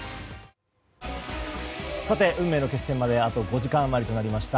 運命の決戦まであと５時間余りとなりました。